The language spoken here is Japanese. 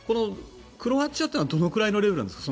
クロアチアというのはどのくらいのレベルなんですか。